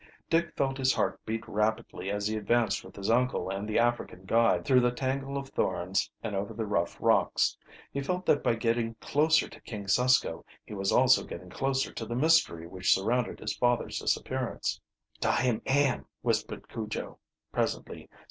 Dick felt his heart beat rapidly as he advanced with his uncle and the African guide through the tangle of thorns and over the rough rocks. He felt that by getting closer to King Susko, he was also getting closer to the mystery which surrounded his father's disappearance. "Dar him am!" whispered Cujo, presently.